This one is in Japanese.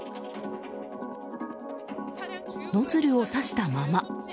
ノズルを差したまま。